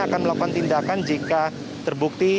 akan melakukan tindakan jika terbukti